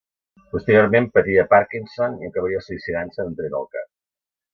Posteriorment patiria Parkinson i acabaria suïcidant-se d'un tret al cap.